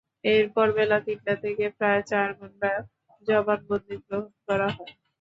এরপর বেলা তিনটা থেকে প্রায় চার ঘণ্টা জবানবন্দি গ্রহণ করা হয়।